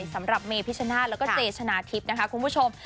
สำหรับเมพิชนาธิ์แล้วก็เจชนะทิพย์นะคะคุณผู้ชม